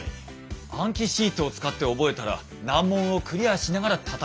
暗記シートを使って覚えたら難問をクリアしながらたたき込む。